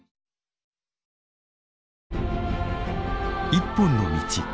「一本の道」。